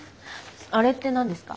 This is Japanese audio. あれって何ですか？